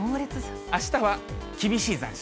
あしたは厳しい残暑。